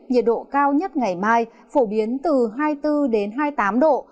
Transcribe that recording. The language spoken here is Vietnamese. nhiệt độ cao nhất ngày mai phổ biến từ hai mươi bốn đến hai mươi tám độ